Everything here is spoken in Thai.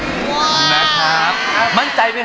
สวัสดีค่ะสวัสดีครับ